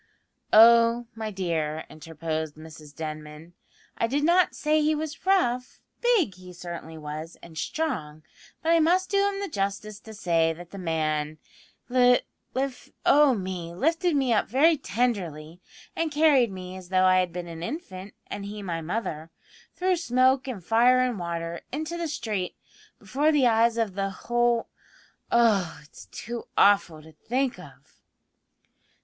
"Oh, my dear," interposed Mrs Denman, "I did not say he was rough. Big he certainly was, and strong, but I must do him the justice to say that the man li lif oh me! lifted me up very tenderly, and carried me as though I had been an infant and he my mother, through smoke and fire and water, into the street, before the eyes of the whole oh, it's too awful to think of!"